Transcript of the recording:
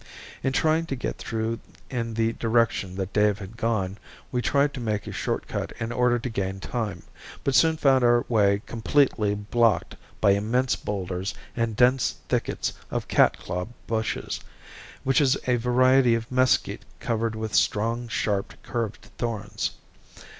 In trying to get through in the direction that Dave had gone, we tried to make a short cut in order to gain time, but soon found our way completely blocked by immense boulders and dense thickets of cat claw bushes, which is a variety of mesquite covered with strong, sharp, curved thorns.